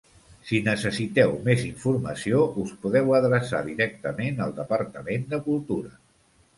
Si necessiteu més informació, us podeu adreçar directament al Departament de Cultura.